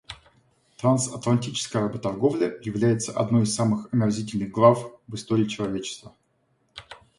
Трансатлантическая работорговля является одной из самых омерзительных глав в истории человечества.